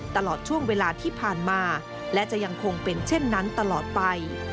ตลอดช่วงเวลาที่ผ่านมา